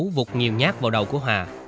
nhặt tại phòng ngủ vụt nhiều nhát vào đầu của hòa